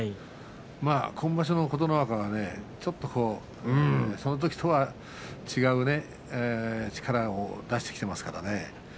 今場所の琴ノ若はねちょっと、そのときとは違う力を出してきていますからね